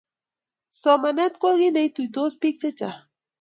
Somanet ko kit ne ituitos bik che chang